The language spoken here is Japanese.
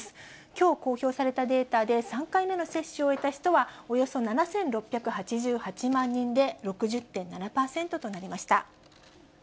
きょう公表されたデータで、３回目の接種を終えた人は、およそ７６８８万人で、６０．７％となりました。